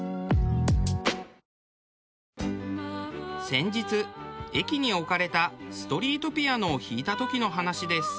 先日駅に置かれたストリートピアノを弾いた時の話です。